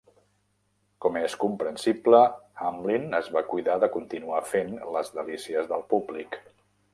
Com és comprensible, Hamblin es va cuidar de continuar fent les delícies del públic.